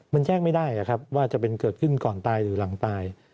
มันแจ้งไม่ได้ว่าจะเป็นเกิดขึ้นก่อนตายหรือหลังตาย